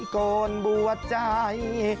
โปรดบัวใจ